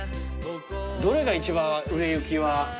どれが一番売れ行きは？